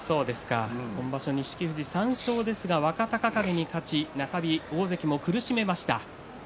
今場所錦富士、３勝ですが若隆景に勝ちやはり大関を苦しめました。